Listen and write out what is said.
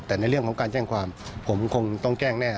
แต่ในเรื่องของการแจ้งความผมคงต้องแจ้งแน่